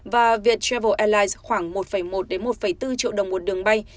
và việt travel airlines khoảng một một một bốn triệu đồng một đường bay